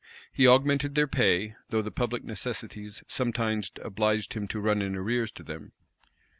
He augmented their pay; though the public necessities sometimes obliged him to run in arrears to them.